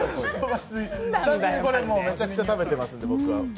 これめちゃくちゃ食べてますんで。